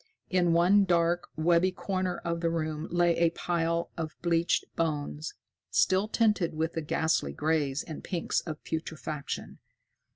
In one dark, webby corner of the room lay a pile of bleached bones, still tinted with the ghastly grays and pinks of putrefaction.